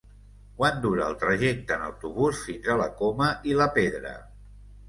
Quant dura el trajecte en autobús fins a la Coma i la Pedra?